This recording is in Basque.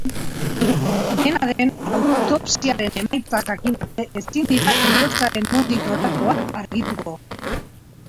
Dena den, autopsiaren emaitzak jakin arte ezin dira heriotzaren nondik norakoak argituko.